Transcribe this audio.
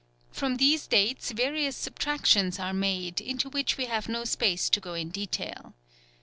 From these dates various subtractions are made into which we have no space to go in detail.